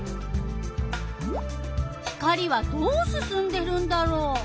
光はどうすすんでるんだろう？